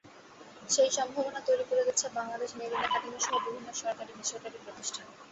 সেই সম্ভাবনা তৈরি করে দিচ্ছে বাংলাদেশ মেরিন একাডেমিসহ বিভিন্ন সরকারি-বেসরকারি প্রতিষ্ঠান।